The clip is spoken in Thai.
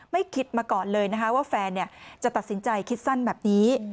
ไม่คิดมาก่อนเลยนะคะว่าแฟนจะตัดสินใจคิดสั้นแบบนี้